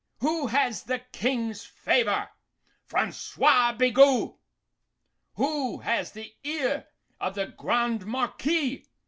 Who has the King's favour? Francois Bigot. Who has the ear of the Grande Marquise?